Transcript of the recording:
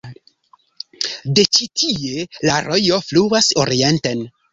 De ĉi tie la rojo fluas orienten.